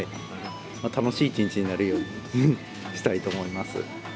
楽しい一日になるようにしたいと思います。